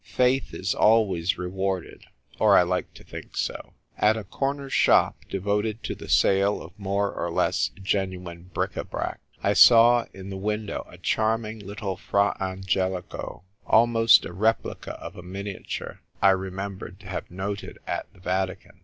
Faith is always rewarded, or I like to think so. At a corner shop, devoted to the sale of more or less genuine bric a brac ^ I saw in the window a charming little Fra Angelico, m. THE CHOICE OF A PATRON. 43 almost a replica of a miniature I remem bered to have noted at the Vatican.